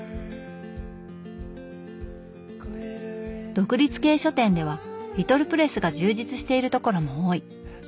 独立系書店ではリトルプレスが充実しているところも多い。